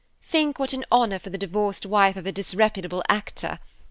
Think what an honor for the divorced wife of a disreputable actor.